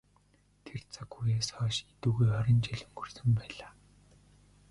Тэр цаг үеэс хойш эдүгээ хорин жил өнгөрсөн байлаа.